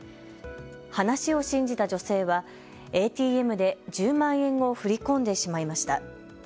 話を信じた女性はＡＴＭで１０万円を振り込んでしまいました。